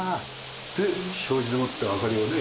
で障子でもって明かりをね